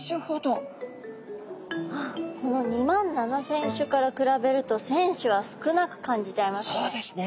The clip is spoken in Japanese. あっこの２万７，０００種から比べると１，０００種は少なく感じちゃいますね。